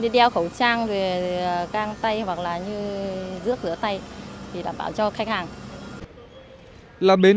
là bến có lượng khẩu trang thì cũng nên đeo khẩu trang về căng tay hoặc là như rước rửa tay để đảm bảo cho khách hàng